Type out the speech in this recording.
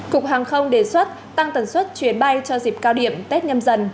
cục hàng không đề xuất tăng tần suất chuyến bay cho dịp cao điểm tết nhâm dần